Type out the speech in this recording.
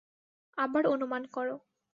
আবার অনুমান করো।